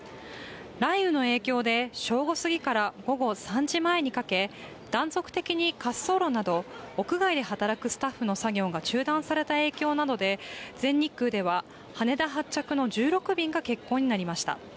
雷雨の影響で正午過ぎから午後３時前にかけ断続的に滑走路など、屋外で働くスタッフの作業が中断された影響などで全日空では羽田発着の１６便が欠航となりました。